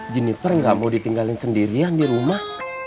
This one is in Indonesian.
jeniper nggak mau ditinggalin sendirian di rumah